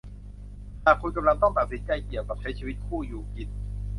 หากคุณกำลังต้องตัดสินใจเกี่ยวกับใช้ชีวิตคู่อยู่กิน